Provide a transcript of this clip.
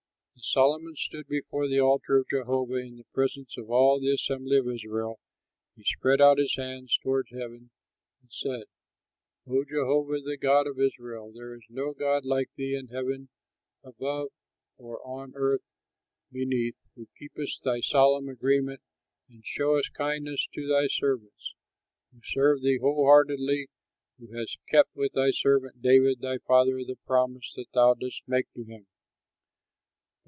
As Solomon stood before the altar of Jehovah in the presence of all the assembly of Israel, he spread out his hands toward heaven and said, "O Jehovah, the God of Israel, there is no God like thee in heaven above or on earth beneath, who keepest thy solemn agreement and showest kindness to thy servants who serve thee whole heartedly, who hast kept with thy servant David my father the promise that thou didst make to him.